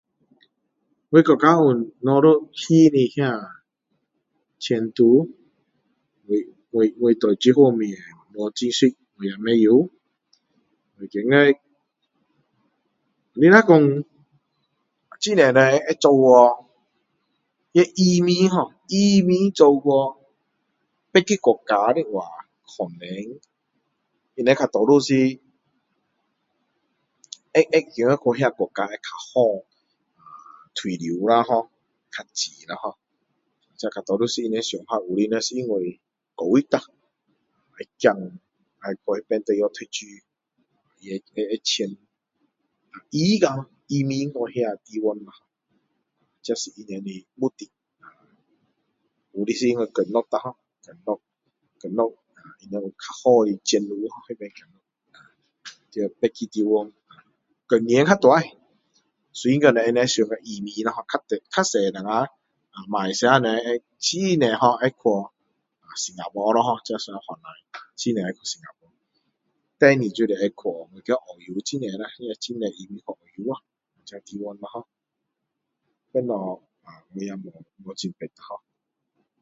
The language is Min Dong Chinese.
我国家有那个的那个前途我我我对这方面没很熟也不知道我觉得你若说很多人会走去移民ho移民走去别个国家的话可能他们大多数是会会觉得说去那国家会比较好退休ho比较静咯这大多数是他们的想法有些是因为教育啦孩子要去那边大学读书也会签移移民去那地方这是他们的目的有些是因为工作咯ho工作工作找比较好的前途那边在别的地方工钱较大所以他们会想移民咯较多我们马来西亚人会很多ho会去新加坡咯ho这新加坡不错很多人去新加坡第二就是会去澳洲很多啦很多也移民去澳洲这地方咯ho其它啊我也没很懂ho